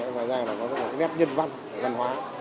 ngoài ra có một nét nhân văn văn hóa